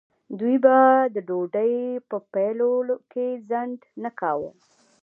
دوی به د ډوډۍ په پیلولو کې ځنډ نه کاوه.